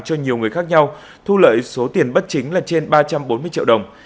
cho nhiều người khác nhau thu lợi số tiền bất chính là trên ba trăm bốn mươi triệu đồng